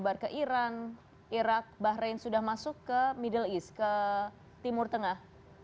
bar ke iran irak bahrain sudah masuk ke middle east ke timur tengah